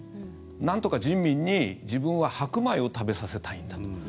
なんとか人民に自分は白米を食べさせたいんだと。